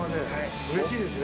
うれしいですね。